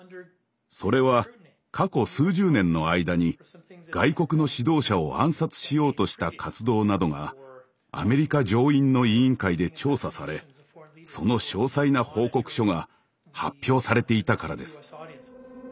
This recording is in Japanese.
それは過去数十年の間に外国の指導者を暗殺しようとした活動などがアメリカ上院の委員会で調査されその詳細な報告書が発表されていたからです。